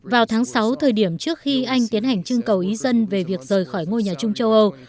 vào tháng sáu thời điểm trước khi anh tiến hành trưng cầu ý dân về việc rời khỏi ngôi nhà chung châu âu